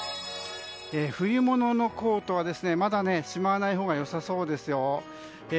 冬物のコートはまだしまわないほうが良さそうですよ。